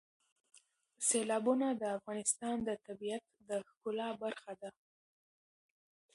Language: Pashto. سیلابونه د افغانستان د طبیعت د ښکلا برخه ده.